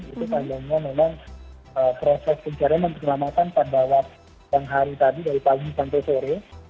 itu panjangnya memang proses pencarian dan penyelamatan pada waktu yang hari tadi dari pagi sampai sore